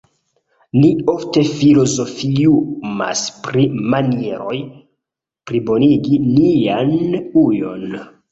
Ni ofte filozofiumas pri manieroj plibonigi nian ujon.